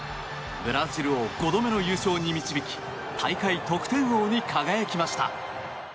ブラジルを５度目の優勝に導き大会得点王に輝きました。